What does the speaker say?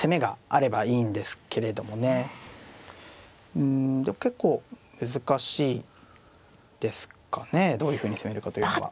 うん結構難しいですかねどういうふうに攻めるかというのは。